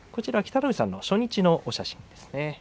北の富士さんの初日のお写真ですね。